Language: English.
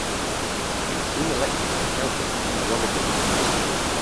He was soon elected to the council in Groningen.